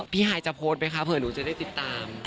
ฮายจะโพสต์ไหมคะเผื่อหนูจะได้ติดตาม